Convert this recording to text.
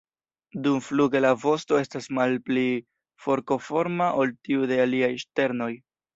Dumfluge la vosto estas malpli forkoforma ol tiu de aliaj ŝternoj.